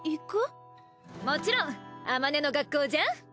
もちろんあまねの学校じゃん。